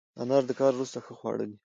انار د کار وروسته ښه خواړه دي.